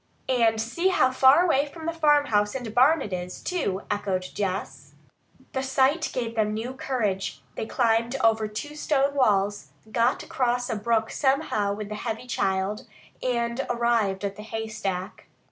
"And see how far away from the farmhouse and barn it is, too!" echoed Jess. The sight gave them new courage. They climbed over two stone walls, got across a brook somehow with the heavy child, and arrived at the haystack.